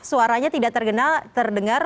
suaranya tidak terdengar